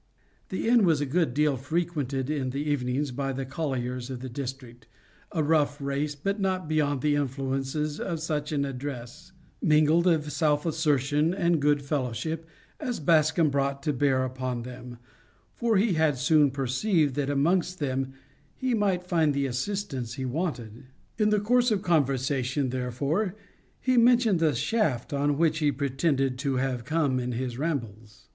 The inn was a good deal frequented in the evenings by the colliers of the district a rough race, but not beyond the influences of such an address, mingled of self assertion and good fellowship, as Bascombe brought to bear upon them, for he had soon perceived that amongst them he might find the assistance he wanted. In the course of conversation, therefore, he mentioned the shaft, on which he pretended to have come in his rambles.